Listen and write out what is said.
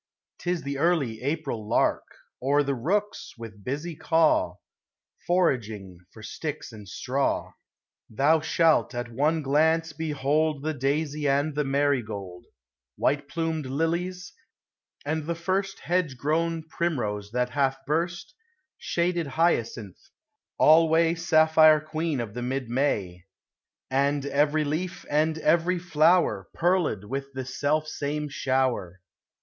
'T is the early April lark, Or the rooks, with busy caw, Foraging for sticks and straw. Thou shalt, at one glance, behold The daisy and the marigold ; White plumed lilies, and the first Hedge grown primrose that hath burst ; Shaded hyacinth, alway Sapphire queen of the mid May ; THE IM AG IX ATI ON. 11 ■ And every leaf, and every flower Pearled with the self same shower.